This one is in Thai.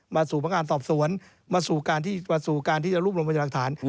มาสู่พังงานตอบสวนมาสู่การที่จะรูปลงบันดาลักษณ์